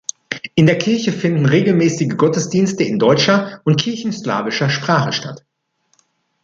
In der Kirche finden regelmäßig Gottesdienste in deutscher und kirchenslawischer Sprache statt.